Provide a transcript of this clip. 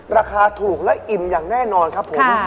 ราคาถูกและอิ่มอย่างแน่นอนครับผม